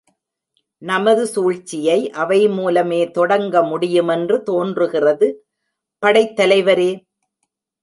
நமது சூழ்ச்சியை அவை மூலமே தொடங்க முடியுமென்று தோன்றுகிறது. படைத் தலைவரே!